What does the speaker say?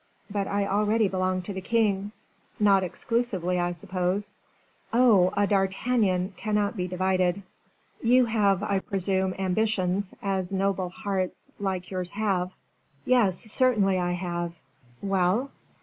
"But I already belong to the king." "Not exclusively, I suppose." "Oh! a D'Artagnan cannot be divided." "You have, I presume, ambitions, as noble hearts like yours have." "Yes, certainly I have." "Well?"